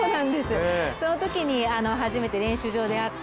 そのときに初めて練習場で会って。